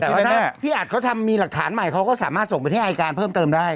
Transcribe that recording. แต่ว่าถ้าพี่อัดเขาทำมีหลักฐานใหม่เขาก็สามารถส่งไปให้อายการเพิ่มเติมได้